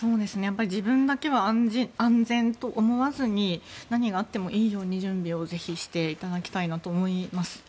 自分だけは安全と思わずに何があってもいいように準備していただきたいです。